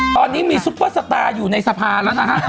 ตอนนี้มีซุปเปอร์สตาร์อยู่ในสภาแล้วนะฮะ